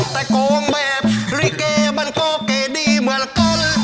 แต่โกงแบบลิเกมันก็เก๋ดีเหมือนกัน